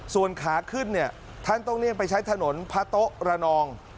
ส่วนขาขึ้นเนี่ยท่านต้องเลี่ยงไปใช้ถนนพระโต๊ะระนอง